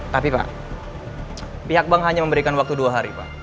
tapi pak pihak bank hanya memberikan waktu dua hari pak